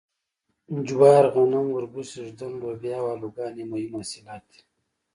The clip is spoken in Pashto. جوار غنم اوربشې ږدن لوبیا او الوګان یې مهم حاصلات دي.